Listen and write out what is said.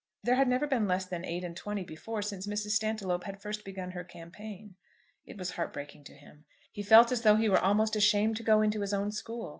There had never been less than eight and twenty before, since Mrs. Stantiloup had first begun her campaign. It was heartbreaking to him. He felt as though he were almost ashamed to go into his own school.